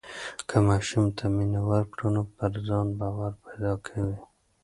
که ماشوم ته مینه ورکړو نو پر ځان باور پیدا کوي.